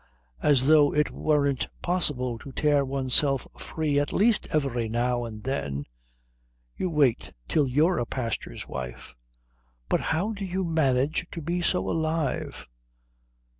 "As though it weren't possible to tear oneself free at least every now and then." "You wait till you're a pastor's wife." "But how do you manage to be so alive?